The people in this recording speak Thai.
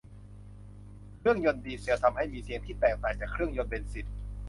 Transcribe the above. เครื่องยนต์ดีเซลทำให้มีเสียงที่แตกต่างจากเครื่องยนต์เบนซิน